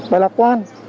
và lạc quan